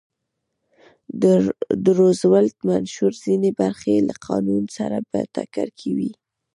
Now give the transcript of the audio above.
د روزولټ منشور ځینې برخې له قانون سره په ټکر کې وې.